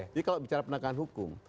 jadi kalau bicara penegakan hukum